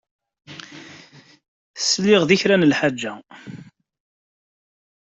Sliɣ-d i kra n lḥaǧa.